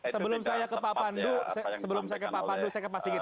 sebelum saya ke pak pandu saya ke pak sigit